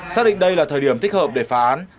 xác định đây là thời điểm thích hợp để phá án